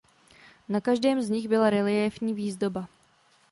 Na každém z nich byla reliéfní výzdoba.